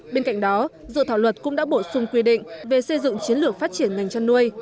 bên cạnh đó dự thảo luật cũng đã bổ sung quy định về xây dựng chiến lược phát triển ngành chăn nuôi